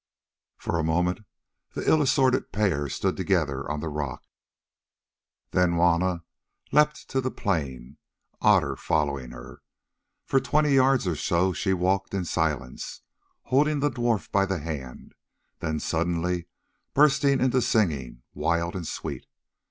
For a moment the ill assorted pair stood together on the rock; then Juanna leapt to the plain, Otter following her. For twenty yards or so she walked in silence, holding the dwarf by the hand; then suddenly she burst into singing wild and sweet.